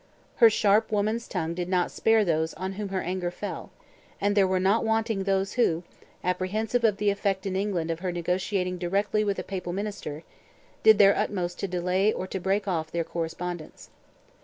Her sharp woman's tongue did not spare those on whom her anger fell, and there were not wanting those, who, apprehensive of the effect in England of her negotiating directly with a papal minister, did their utmost to delay or to break off their correspondence.